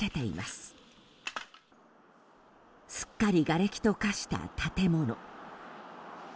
すっかりがれきと化した建物。